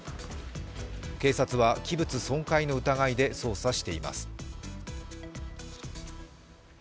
警察は器物損壊の疑いで捜査しています。